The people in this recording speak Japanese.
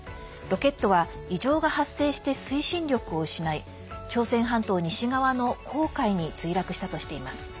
ロケットは異常が発生して推進力を失い朝鮮半島西側に墜落したとしています。